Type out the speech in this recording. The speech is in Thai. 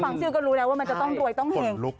ชื่อก็รู้แล้วว่ามันจะต้องรวยต้องเห็ง